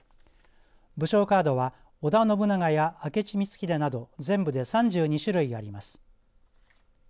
武将のカードは織田信長や明智光秀など全部で３２種類あります。